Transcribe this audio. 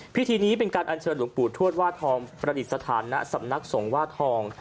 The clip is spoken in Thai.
พิธีนี้เป็นการอัญเชิญหลวงปู่ทวดว่าทองประดิษฐานณสำนักสงฆ์ว่าทอง